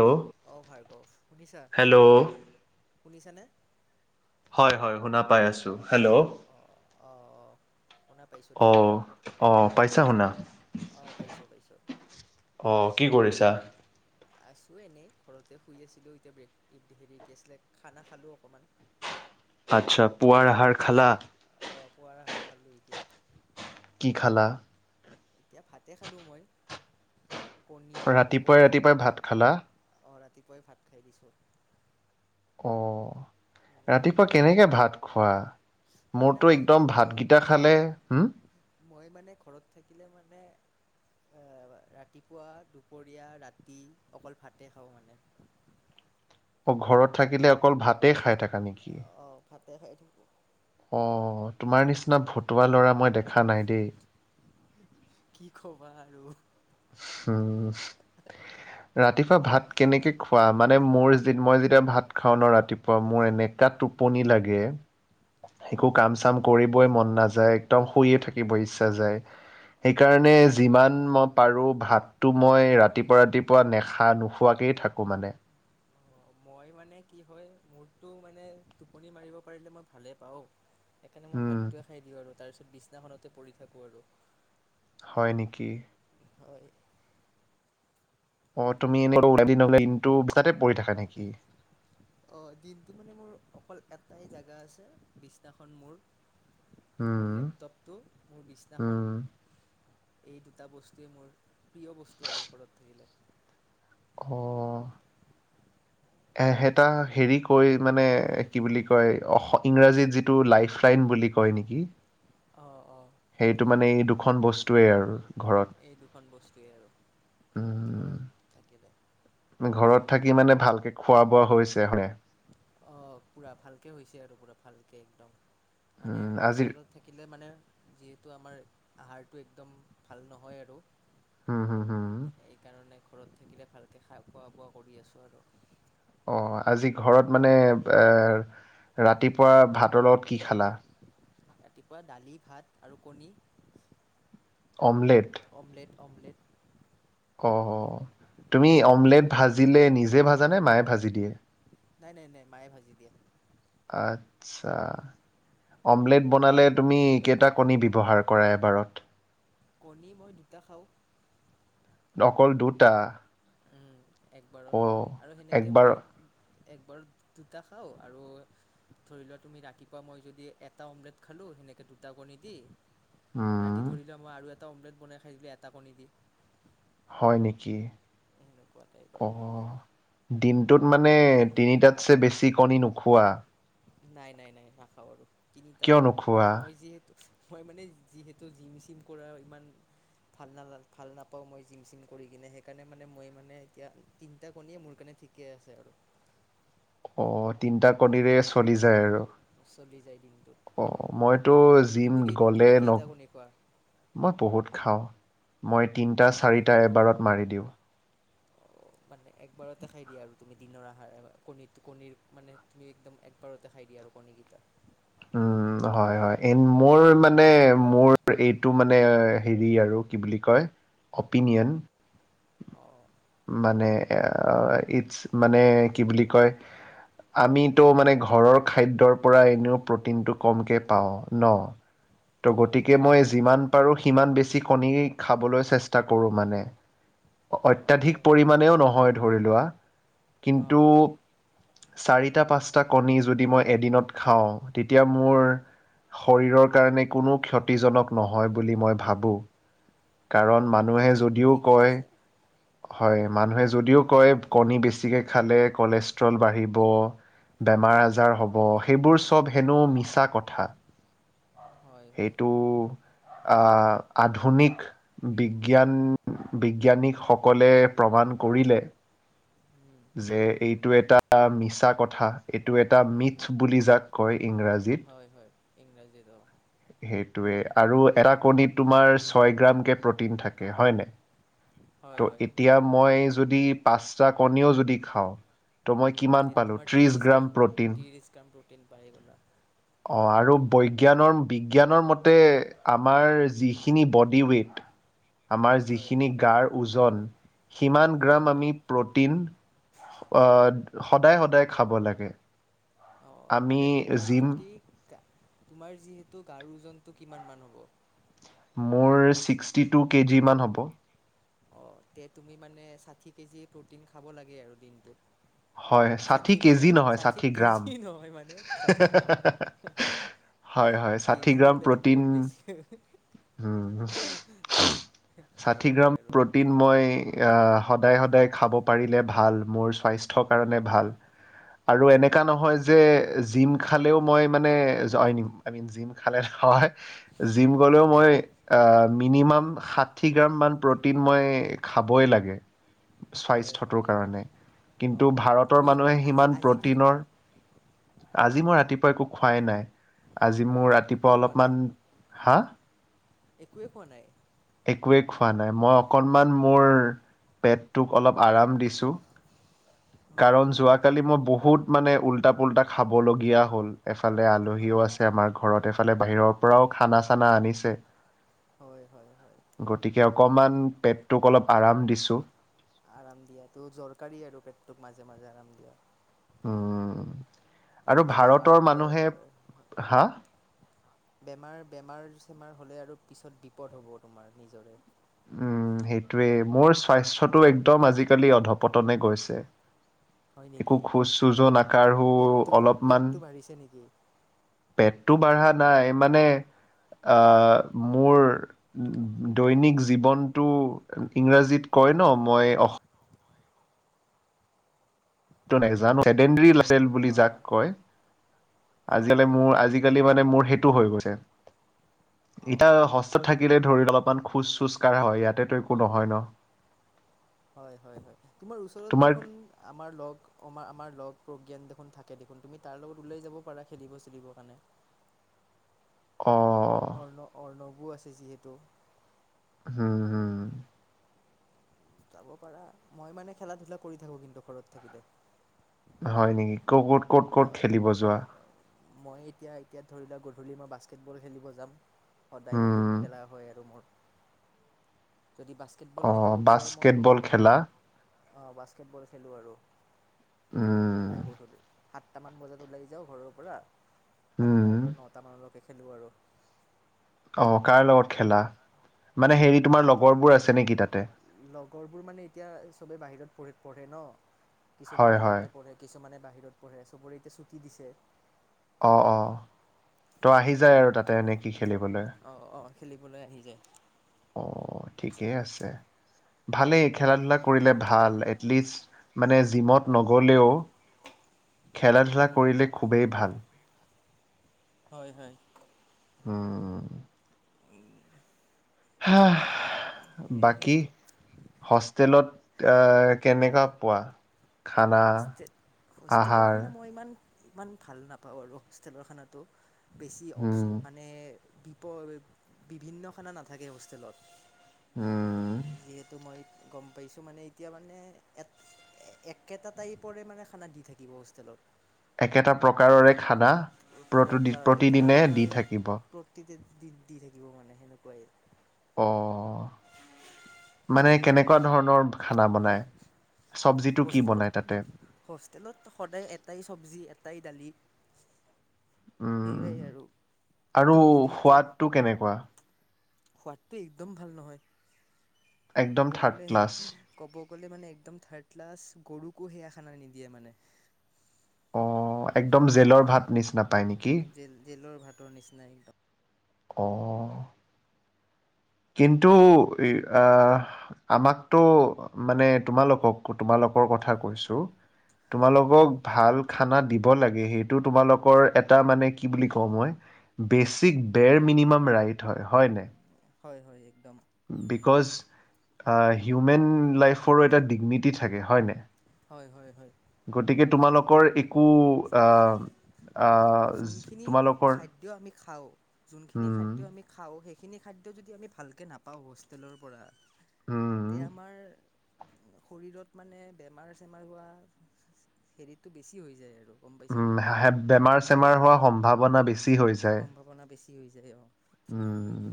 Hello, অ ভাৰ্গৱ, শুনিছা? Hello শুনিছা নে? হয়-হয়, শুনা পাই আছো। হেল্ল', অঁ অঁ শুনা পাইছোঁ দিয়া অ-অ পাইছা শুনা? অঁ পাইছোঁ পাইছোঁ অ কি কৰিছা? দা আছো এনেই। ঘৰতে শুই আছিলো এতিয়া, ব্ৰেক হেৰি কি আছিলে খানা খালো অকমান। আচ্ছা পুৱাৰ আহাৰ খালা? অ পুৱাৰ আহাৰ খালো এতিয়া। কি খালা? এতিয়া ভাতে খালো মই। ৰাতিপুৱাই ৰাতিপুৱাই ভাত কণী-কণী-কণী। খালা অ ৰাতি পুৱাই ভাত খাই দিছোঁ। অ। উম, ৰাতিপুৱা কণী কেনেকে ভাত খোৱা? মানে মোৰতো মই একদম মই ভাতগিটা খালে, হম! মই মানে ঘৰত থাকিলে মানে, এ ৰাতিপুৱা, দুপৰীয়া, ৰাতি অকল ভাতে খাওঁ মানে। ঘৰত থাকিলে অকল ভাতেই খাই থাকা নেকি? অঁ ভাতে খাই থাকোঁ। অ, তোমাৰ নিচিনা ভতুৱা ল'ৰা মই দেখা নাই দেই। কি কবা আৰু। উম, ৰাতিপুৱা ভাত কেনেকে খোৱা? মানে মোৰ মই যেতিয়া ভাত খাও ন ৰাতিপুৱা মোৰ এনে কা অ' হয় টোপনি লাগে। একো অ' কাম চাম কৰিবই মন নাযায়। একদম শুইয়ে থাকিব ইচ্ছা যায়। অ' সেইকাৰণে যিমান মই পাৰো ভাতটো মই ৰাতিপুৱা ৰাতিপুৱা নেখা নোখোৱা কে থাকো মানে। অ' মই মানে কি হয় মোৰটো মানে টোপনি মাৰিব পাৰিলে মই ভালে পাওঁ। সেইকাৰণে মই উম ভাতটোৱে খাই দিওঁ আৰু। তাৰ পিছত বিছনাখনতে পৰি থাকো আৰু। হয় নিকি? হয়। অ তুমি এনেক ওলাই দিনটো তাতে পৰি থাকা নেকি? অ' দিনটো মানে মোৰ অকল এটাই জেগা আছে বিছনাখন মোৰ। মোৰ উম লেপটপটো, মোৰ বিছনাখন। উম এই দুটা বস্তুৱেই মোৰ প্ৰিয় বস্তু আৰু ঘৰত থাকিলে। অ এহেটা হেৰি কৈ মানে কি বুলি কয়? অস, ইংৰাজীত যিটো লাইফ লাইন বুলি কয় নেকি? অ। অ' সেইটো সেইটোৱে মানে এই দুখন বস্তুৱেই আৰু ঘৰত। এই দুখন বস্তুৱেই আৰু উম, ঘৰত থাকিলে। উম, ঘৰত থাকি মানে ভালকে খোৱা বোৱা হৈছে হে? অ পুৰা, ভালকে হৈছে আৰু, পুৰা ভালকে, একদম। মানে, উম আজি হোষ্টেলত থাকিলে মানে যিহেতু আমাৰ আহাৰটো একদম ভাল নহয় আৰু। হম হম হম সেইকাৰণে। ঘৰত থাকিলে ভালকৈ খা খোৱা বোৱা কৰি আছোঁ আৰু। অ আজি ঘৰত মানে এ ৰাতিপুৱা ভাতৰ লগত কি খালা। ৰাতিপুৱা দালি ভাত আৰু কণী। অমলেট। অমলেট অমলেট অ অ তুমি অমলেট ভাজিলে নিজে ভাজা নে মায়ে ভাজি দিয়ে। নাই নাই নাই মায়ে ভাজি দিয়ে। আচ্ছা অমলেট হয় বনালে তুমি কেইটা কণী দিব। ব্যৱহাৰ কৰা এবাৰত। কণী মই দুটা খাওঁ। অকল দুটা। অ একবাৰত আৰু সেনেকে একবাৰ মই। একবাৰ দুটা খাওঁ আৰু ধৰি লোৱা তুমি ৰাতিপুৱা মই যদি এটা অমলেট খালোঁ সেনেকৈ দুটা কণী দি। ৰাতি উম ধৰিলে মই আৰু এটা। এটা অমলেট বনাই খাই দিলে এটা কণী দি। হয় নেকি। এনেকুৱাটাই অ'। বাৰু। দিনটোত মানে তিনিটাতছে বেছি কণী নোখোৱা। নাই নাই নাই নাখাও বাৰো। তিনি তাত কিয় নোখোৱা? মই যিহেতু। মই মানে যিহেতু জিম চিম কৰা ইমান ভাল ন ভাল নাপাওঁ মই জিম চিম কৰি কিনে সেইকাৰণে মানে মই মানে এতিয়া তিনিটা কণীয়ে মোৰ কাৰণে ঠিকে আছে আৰু। অ ত তিনিটা কণিৰে চলি যায় আৰু। চলি যায় দিনটোত অ মইতো জিম তুমি কেই গলে তুমি ন কেইটা কণী খোৱা মই বহুত। খাওঁ মই। তিনিটা চাৰিটা এবাৰত মাৰি দিওঁ। অ মানে একবাৰতে খাই দিয়া আৰু তুমি দিনৰ আহাৰ কণী কণীৰ মানে তুমি একদম একবাৰতে খাই দিয়া আৰু কণী কেইটা। উ হয় হয় এ মোৰ মানে মোৰ এইটো মানে হেৰি আৰু কি বুলি কয় অপিনিয়ন। অহঁ। মানে ইট মানে কি বুলি কয় আমিতো মানে ঘৰৰ খাদ্যৰ পৰা এনেও প্ৰিতিনটো কমকে পাওঁ ন। ত' অঁ গতিকে অঁ মই হয় যিমান পাৰো সিমান বেছি। বেছি কণী খাবলৈ চেষ্টা কৰো মানে। হয় অত্যাধিক হয় পৰিমাণেও নহয় ধৰি লোৱা। অঁ কিন্তু অঁ অঁ চাৰিটা পাঁচটা কণী যদি মই এদিনত খাওঁ তেতিয়া মোৰ শৰীৰৰ কাৰণে কোনো ক্ষতিজনক নহয় বুলি মই ভাবোঁ। কাৰণ অঁ সেইটো মানুহে ঠিক যদিও ঠিকেই কয় আছে হয় মানুহে যদিও কয় কণী বেছকে খালে কলেষ্ট্ৰল বাঢ়িব বেমাৰ-আজাৰ হ'ব সেইবোৰ চব হেনো মিছা কথা। হয় হয় সেইটো আহ আধুনিক বিজ্ঞান বিজ্ঞানীসকলে প্ৰমাণ কৰিলে। উম, যে এইটো এটা মিছা কথা এইটো এটা উম, মিথ বুলি যাক কয়। ইংৰাজীত। হয়, হয়, ইংৰাজীত অ সেইটোৱে আৰু এটা কণীত তোমাৰ ছয় গ্ৰামকে প্ৰটিন থাকে হয় নে? হয়, হয়, ত' একদম। এতিয়া মই যদি- পাঁচটা কণীও যদি খাওঁ। ত' মই উম, তে কিমান পালোঁ তোমাৰ ত্ৰিশ ত্ৰিছ গ্ৰাম প্ৰ'টিন। ত্ৰিছ গ্ৰাম প্ৰটিন পাই গলা। অ আৰু বৈজ্ঞানৰ বিজ্ঞানৰ মতে আমাৰ যিখিনি বডি ৱোইট। আমাৰ হয়, যিখিনি গাৰ ওজন সিমান হয়, গ্ৰাম হয়। আমি প্ৰ'টিন- আহ সদায় সদায় খাব লাগে অ আমি মানে তোমাৰ জিম যদি গা তোমাৰ যিহেতু গাৰ ওজনটো কিমান মান হ'ব? মোৰ ছিক্সটি টু কেজিমান হ'ব। তে তুমি মানে ষাঠি কেজি প্ৰটিন খাব লাগে আৰু হয় দিনটোত। ষাঠি মানে, কেজি নহয় ষাঠি গ্ৰাম। কেজি নহয় মানে ষাঠি গ্ৰাম হয় হয় কেজি হলেতো বহুত বেছি। উম। ষাঠি সেয়াই গ্ৰাম আৰু প্ৰটিন মই আহ। সদায় সদায় খাব পাৰিলে ভাল মোৰ স্বাস্থ্য কাৰণে ভাল আৰু এনেকা অ'। নহয়। যে জিম খালেও মই মানে জইউনিম আই মিন জিম খালে নহয় জিম গলেও মই এ মিনিমাম ষাঠি গ্ৰাম মান প্ৰটিন মই খাবই লাগে হয়, হয়, স্বাস্থ্যটোৰ হয়, কাৰণে কিন। তো অ', ভাৰতৰ তুমি মানুহে এতিয়া আজি সিমান আজি কি প্ৰটিনৰ। খালা? আজি মই ৰাতিপুৱা একো খোৱাই নাই। আজি আজি মোৰ ৰাতিপুৱা অলপমান হা? একোৱেই খোৱানাই? একোৱেই খোৱা নাই। মই অকনমান মোৰ পেটটোক অলপ আৰাম দিছোঁ। কাৰণ অ', যোৱাকালি মই বহু- বহুত মানে উল্টা পুল্টা খাবলগীয়া হ'ল এফালে আলহীও হয়, আছে আমাৰ ঘৰত এফালে বাহিৰৰ পৰাও খানা চানা আনি। ছে। হয়, হয়, হয়, গতিকে অকণমান পেটটোক অলপ আৰাম দিছোঁ। আৰাম দিয়াটো দৰকাৰী আৰু পেটোক মাজে মাজে আৰাম দিয়া। হুম। নহ'লে বেমাৰ পৰ। হা বেমাৰ, বেমাৰ -চেমাৰ হ'লে আৰু- পিছত বিপদ হ'ব তোমাৰ নিজৰে। উম' সেইটোৱেই। মোৰ স্বাস্থ্যটো একদম আজিকালি অধপতনে গৈছে। হয় একো নেকি? খোজ- চোজো নাকাৰহো পেটটো অলপমান পেটটো বাঢ়িছে নেকি? পেট- টো বাঢ়া নাই। মানে মোৰ দৈনিক জীৱনটো ইংৰাজীত কয় অ', ন' মই নাজানো [unintelligible] [unintelligible] হ বুলি জাক হয়, কয়। হয়, আজি-কালি হয়। মুৰ, আজি-কালি মানে মোৰ হৈ গৈছে। অ', এটিয়া হস্ত থাকিলে ধৰি লওঁক, অলপমান খোজ- চোজ কাঢ়া হয়। ইয়াতে তো একো নহয় ন'? হয়-হয়- হয়। তোমাৰ ওচৰত তোমাৰ দেখোন আমাৰ লগ আমাৰ-আমাৰ লগ প্ৰজ্ঞান দেখোন, থাকে দেখোন। তুমি তাৰ লগত ওলাই যাব পাৰা। খেলিব, চেলিবৰ কাৰণে। অ অৰ্ণৱ আছে যিহেতু। উম-হম। যাব পাৰা। মই মানে খেলা- ধূলা কৰি থাকো, কিন্তু ঘৰত থাকিলে। হয় নেকি? ক'ত ক'ত, ক'ত হয় খেলিব যোৱা? মই এতিয়া, এতিয়া ধৰি লোৱা, গধূলি মই বাস্কেটবল খেলিব যাম। সদায় সেইটো উম খেলা হয় আৰু মোৰ। যদি বাস্কেটবল অ নেখেলোঁতে মই বাস্কেটবল খেলা অঁ বাস্কেটবল খেলো আৰু। অহ উম নাই [unintelligible] সাতটামান বজাত ওলাই যাওঁ' ঘৰৰ পৰা। উম সাতটাৰ পৰা নটা মানলৈকে- খেলো আৰু। অঁ কাৰ লগত খেলা? মানে হেৰি তোমাৰ থাকে। লগৰবোৰ আছে নেকি তাতে? লগৰবোৰ মানে এতিয়া চবেই বাহিৰত- পঢ়ে, পঢ়ে ন? হয় কিছুমানে হয় ইয়াতে পঢ়ে, কিছুমানে বাহিৰত পঢ়ে, চবৰে এতিয়া ছুটি দিছে। অঁ-অঁ। তই আহি যাওঁ আৰু তাতে নে' কি খেলিবলৈ? অঁ অঁ খেলিবলৈ আহি যায় অঁহ। ঠিকেই আছে। ভালেই খেলা- ধূলা কৰিলে ভাল। এলিষ্ট মানে- জিমত নগ'লেও খেলা ধূলা কৰিলে খুবেই ভাল। হয়-হয়। উম। হা বাকী, আৰু হোষ্টেলত তা কেনেকা পোৱা? খানা হো হোষ্টেল আহাৰ খানা মই ইমান ইমান ভাল নাপাওঁ আৰু হোষ্টেলৰ খানাটো বেছি অচ উম, মানে বিপদ বিভিন্ন খানা নাথাকে হোষ্টেলত উম। সেইটো মই গম পাইছোঁ মানে এতিয়া মানে এক কেইটা তাই পৰে মানে খানা দি থাকিব হোষ্টেলত। একেটা প্ৰকাৰৰে খানা প্ৰতি প্ৰকাৰ একেটা প্ৰতিদিনে দি প্ৰকাৰৰ থাকিব প্ৰকৃতি দি দি থাকিব মানে সেনেকুৱাই অ। মানে কেনেকুৱা ধৰণৰ খানা বনাই? চব্জিটো কি হোষ্টেলত, বনাই তাতে হোষ্টেলত সদায় এটাই চবজি এটাই ই দালি উম, সেয়াই আৰু আৰু তুমি যদি এতিয়া সোৱাদটো কেনেকুৱা? সোৱাদটো একদম ভাল নহয়। একদম ক'ব থাৰ্ড গ'লে ক্লাছ ক'ব বলে মানে একদম থাৰ্ড ক্লাছ, গৰুকো সেয়া খানা নিদিয়ে মানে অ একদম জেলৰ ভাত নিচিনা। পায় নেকি? জেল জেলৰ ভাতৰ নিচিনা একদম। অ। কিন্তু আহ, আমাকতো মানে তোমালোকক, তোমালোকৰ কথা কৈছো অঁ তোমালোকক ভাল খানা দিব লাগে সেইটো তোমালোকৰ এটা মানে কি বুলি কওঁ মই, বেচিক বেৰ মিনিমাম ৰাইট হয়, হয় নে? হয় হয় একদম। বিকজ, হিউমেন লাইফৰো এটা ডিগনিটি থাকে হয় হয় হয় হয় নাই গতিকে তোমালোকৰ একো আহ আহ, যোনখিনি তোমালোকৰ খাদ্য আমি খাওঁ যোনখিনি হুম খাদ্য আমি খাওঁ সেইখিনি খাদ্য যদি আমি ভালকে নাপাওঁ হোষ্টেলৰ পৰা তে উম আমাৰ শৰীৰত মানে বেমাৰ চেমাৰ হোৱা হেৰিটো বেছি হৈ যায় আৰু। গম পাইছানে উম, বেমাৰ চেমাৰ হোৱা সম্ভাৱ বনা বেচি। হৈ যায়। সম্ভাৱনা বেছি হৈ যায় অ। উম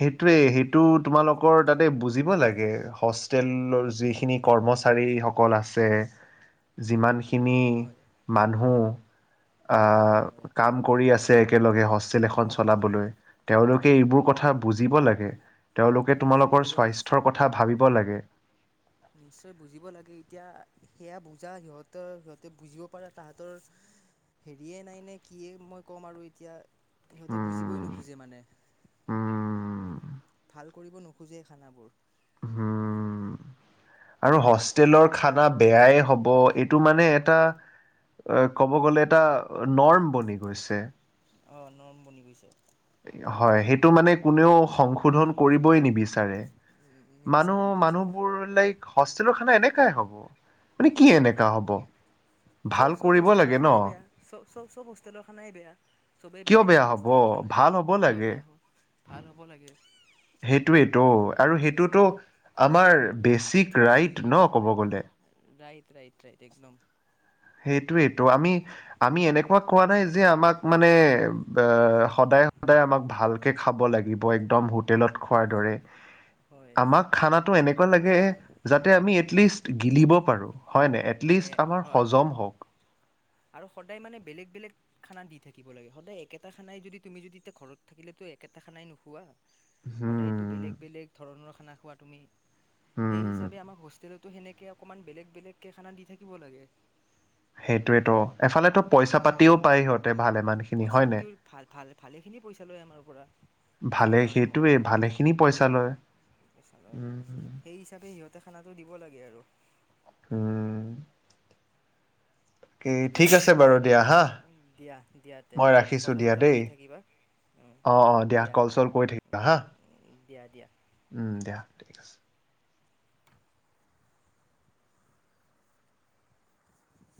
সেইটোৱে সেইটো তোমালোকৰ তাতে বুজিব লাগে হোষ্টেলৰ যিখিনি কৰ্মচাৰী সকল আছে যিমান। কিনি হয় মানুহ হয় হয় কাম কৰি আছে। একেলগে হোষ্টেল এখন চলাবলৈ। তেওঁলোকে এইবোৰ কথা বুজিব লাগে। তেওঁলোকে বুজিব তোমালোকৰ লাগে নিশ্চয় স্বাস্থ্যৰ কথা ভাবিব লাগে। নিশ্চয় বুজিব লাগে এতিয়া সেয়া বুজা সিহঁতৰ সিহঁতে বুজিব পাৰা তাহাঁতৰ হেৰিয়ে নাই নে কিয়ে মই ক'ম আৰু এতিয়া। সিহঁতে উম, বুজিবই নোখোজে মানে। উম উত ভাল কৰিব নোখোজে খানাবোৰ। উম। আৰু হোষ্টেলৰ খানা বেয়াই হ'ব এইটো মানে এটা ক'ব গ'লে এটা নৰ্ম বনি গৈছে। অ নৰ্ম বনি গৈছে। এ হয় সেইটো মানে কোনেও সংশোধন কৰিবই নিবিচাৰে। নিবিচাৰে মানুহ নিবিচাৰে মানুহবোৰ লাইক হোষ্টেলৰ খানা এনেক এই হ'ব। মানে কি অঁ এনেকা হব ভাল কৰিব লাগে ন। চ চব হোষ্টেলৰ খানাই বেয়া। চবেই কিয় বেয়াইয়ে বেয়া পায় হ'ব হোষ্টেলৰ খানা ভাল হ'ব কিয়? বেয়া হ'ল ভাল হ'ব লাগে। সেইটোৱে ত আৰু সেইটোতো আমা তাৰ বেচিক ৰাইট ন ক'ব গ'লে। ৰাইট ৰাইট ৰাইট একদম। সেইটোৱেত আমি আমি এনেকুৱা কোৱা নাই যে আমাক মানে বা সদায় সদায় আমাক ভালকে খাব লাগিব একদম হোটেলত খোৱাৰ দৰে। হয় আমাক খানাটো এনেকুৱা লাগে যাতে আমি এটলিষ্ট গিলিব প পাৰো। হয়নে, এটলিষ্ট সেয়াই আমাৰ হয় হয় হজম হওক আৰু সদায় মানে বেলেগ বেলেগ খানা দি থাকিব লাগে সদায় একেটা খানাই যদি তুমি যদি এতিয়া ঘৰত থাকিলে তো একেটা খানাই নোখোৱা। সদায়টো হুম বেলেগ বেলেগ ধৰণৰ খানা খোৱা তুমি। সেই হুম হিচাপে আমাৰ হোষ্টেলত ত সেনেকে অকনমান বেলেগ বেলেগ কে খানা দি থাকিব লাগে। সেইটোয়েতো এফালেত তো পইচা পাতিও পাই সিহঁত। পইচা পাতিও ভাল ভাল ভালে খিনি পইচা লয় আমাৰ পৰা ভালে হোষ্টেলৰ নামত সেইটোৱে ভালেখিনি পইচা লয় লয় উম সেই হিচাপে সিহঁত খানাটো দিব লাগে আৰু। উম উ উ। কি ঠিক আছে বাৰু দিয়া, হা। দিয়া দিয়াতে মই ৰাখিছোঁ কথা দিয়া চথা দেই পাতি থাকিবা অঁ, অঁ দিয়া কল চল কৰি থাকিবা হা, দিয়া দিয়া উম দিয়া ঠিক আছে।